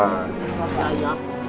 ingat pesan gua